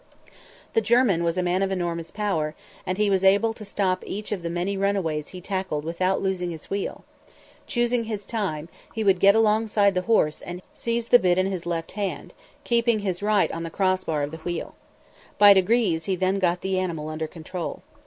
The German was a man of enormous power, and he was able to stop each of the many runaways he tackled without losing his wheel. Choosing his time, he would get alongside the horse and seize the bit in his left hand, keeping his right on the crossbar of the wheel. By degrees he then got the animal under control.